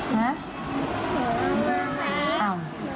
ฮะ